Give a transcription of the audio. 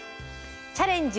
「チャレンジ！